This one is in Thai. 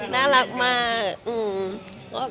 น่ารักมาก